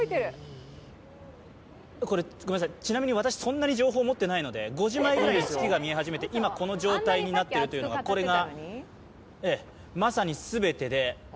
ちなみに私、そんなの情報持っていないので５時前ぐらいに月が見え始めて、今、この状態になっているというのが、これがまさに全てで。